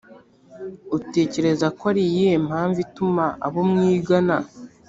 utekereza ko ari iyihe mpamvu ituma abo mwigana